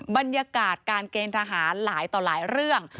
บรรยากาศการเกณฑ์ทหารหลายต่อหลายเรื่อง